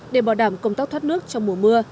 để bảo đảm công tác thoát nước trong mùa mưa